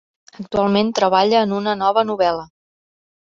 Actualment treballa en una nova novel·la.